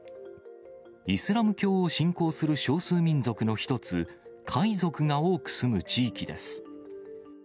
イスラム教を信仰する少数民族の一つ、回族が多く住む地域です。